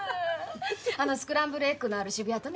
あのスクランブルエッグのある渋谷とね。